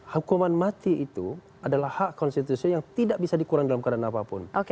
hukuman mati itu adalah hak konstitusi yang tidak bisa dikurang dalam keadaan apapun